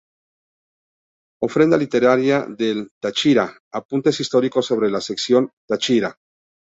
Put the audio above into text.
Ofrenda literaria del Táchira: apuntes históricos sobre la sección Táchira.